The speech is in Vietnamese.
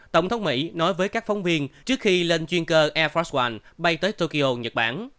tổng thống mỹ nói với các phóng viên trước khi lên chuyên cơ air fraswan bay tới tokyo nhật bản